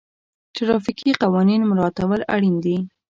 ټرافیکي قوانین مراعتول اړین دي.